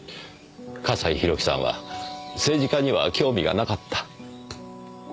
笠井宏樹さんは政治家には興味がなかった？